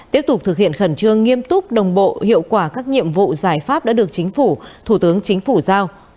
tiếp tục thực hiện khẩn trương nghiêm túc đồng bộ hiệu quả các nhiệm vụ giải pháp đã được chính phủ thủ tướng chính phủ giao